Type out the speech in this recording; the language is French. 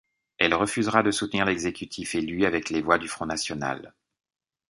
Elle refusera de soutenir l'exécutif élu avec les voix du Front National.